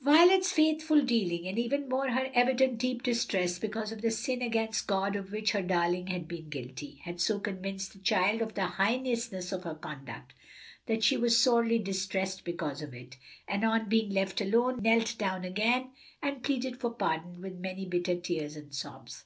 Violet's faithful dealing, and even more her evident deep distress because of the sin against God of which her darling had been guilty, had so convinced the child of the heinousness of her conduct that she was sorely distressed because of it, and on being left alone, knelt down again and pleaded for pardon with many bitter tears and sobs.